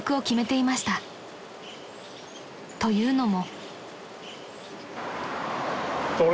［というのも］